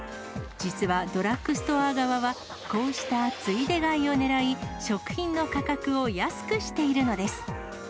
実はドラッグストア側は、こうしたついで買いを狙い、食品の価格を安くしているのです。